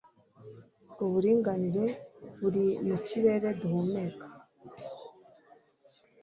Uburinganire buri mu kirere duhumeka